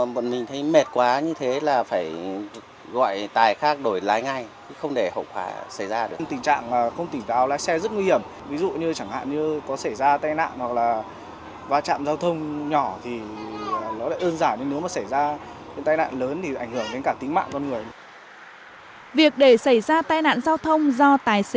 việc để xảy ra tai nạn giao thông do tài xế mệt mỏi ngủ gật